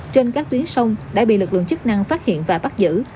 trên các tuyến sông đã bị lực lượng chức năng phát hiện và bắt giữ